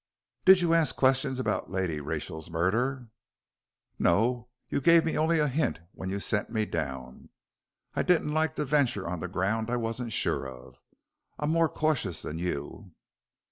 "Did you ask questions about Lady Rachel's murder?" "No. You gave me only a hint when you sent me down. I didn't like to venture on ground I wasn't sure of. I'm more cautious than you."